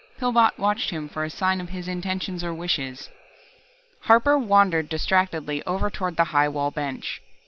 Pillbot watched him for a sign of his intentions or wishes. Harper wandered distractedly over toward the high wall bench.